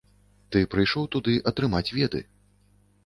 Ты прыйшоў туды атрымаць веды.